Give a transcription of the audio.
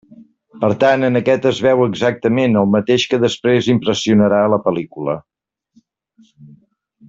Per tant en aquest es veu exactament el mateix que després impressionarà la pel·lícula.